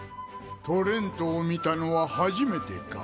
トレントを見たのは初めてか？